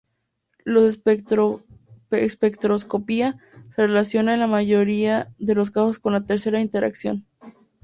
La espectroscopia se relaciona en la mayoría de los casos con la tercera interacción.